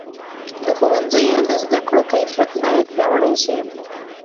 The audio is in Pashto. د ښوونځیو د زده کړو کیفیت باید پیاوړی سي.